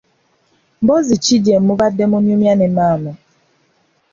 Mboozi ki gye mubadde munyumya ne maama?